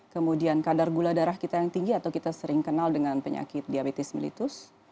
kemudian kadar gula darah kita yang tinggi atau kita sering kenal dengan penyakit diabetes mellitus